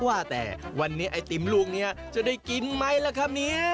ว่าแต่วันนี้ไอติมลูกนี้จะได้กินไหมล่ะครับเนี่ย